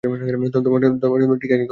ধর্ম সম্বন্ধেও ঠিক একই কথা।